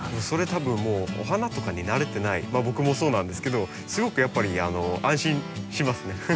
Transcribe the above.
それ多分もうお花とかに慣れてない僕もそうなんですけどすごくやっぱり安心しますね。